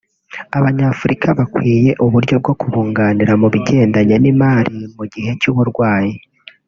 Abanyafurika bakwiye uburyo bwo kubunganira mu bigendanye n’imari mu gihe cy’uburwayi